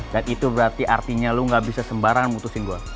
dan itu berarti artinya lo gak bisa sembarangan putusin gue